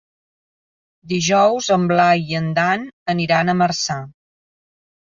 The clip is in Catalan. Dijous en Blai i en Dan aniran a Marçà.